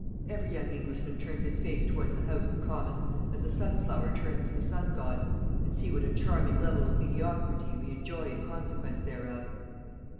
Every young Englishman turns his face towards the House of Commons, as the sunflower turns to the sun god; and see what a charming level of mediocrity we enjoy in consequence thereof."